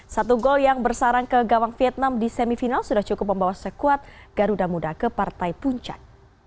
satu gol yang bersarang ke gawang vietnam di semifinal sudah cukup membawa sekuat garuda muda ke partai puncak